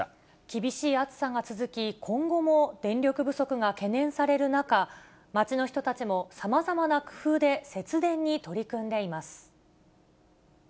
厳しい暑さが続き、今後も電力不足が懸念される中、街の人たちもさまざまな工夫で節電に取り組んでいます。